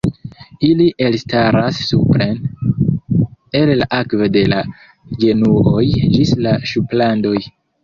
Ili elstaras supren el la akvo de la genuoj ĝis la ŝuplandoj.